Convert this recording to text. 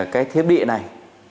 cái thiết bị này